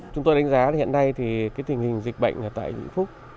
chúng tôi đánh giá hiện nay thì tình hình dịch bệnh ở tại vĩnh phúc